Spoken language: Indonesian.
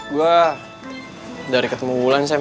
gue dari ketumbuhan sam